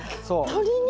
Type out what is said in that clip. そう。